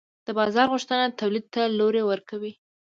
د بازار غوښتنه تولید ته لوری ورکوي.